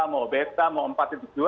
mau beta mau empat dua